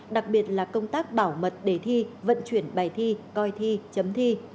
đặc biệt là công tác bảo mật đề thi vận chuyển bài thi coi thi chấm thi